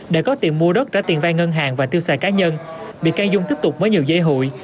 để có tiền mua đất trả tiền vai ngân hàng và tiêu xài cá nhân bị ca dung tiếp tục mới nhiều dây hụi